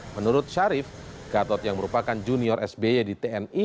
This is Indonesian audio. menurut syarif gatot yang merupakan junior sby di tni